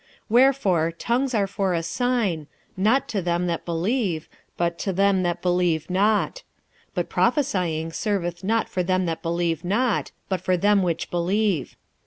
46:014:022 Wherefore tongues are for a sign, not to them that believe, but to them that believe not: but prophesying serveth not for them that believe not, but for them which believe.